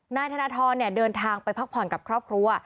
นายธนทรเดินทางไปพักผ่อนกับครอบครัว